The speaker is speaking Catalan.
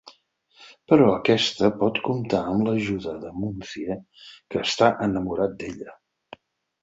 Però aquesta pot comptar amb l'ajuda de Muncie que està enamorat d'ella.